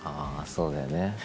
そうだよね。